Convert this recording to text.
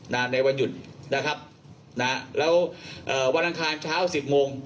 ในวันหยุดนะครับนะแล้วเอ่อวันอังคารเช้าสิบโมง